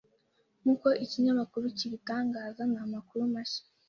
Nk’uko ikinyamakuru kibitangaza ni amakuru mashya.